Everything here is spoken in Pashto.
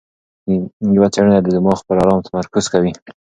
یوه څېړنه د دماغ پر ارام تمرکز کوي.